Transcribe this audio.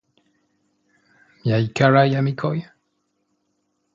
Miaj karaj amikoj?